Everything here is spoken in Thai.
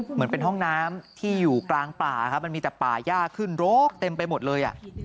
เหมือนเป็นห้องน้ำที่อยู่กลางป่าครับมันมีแต่ป่าย่าขึ้นโรคเต็มไปหมดเลย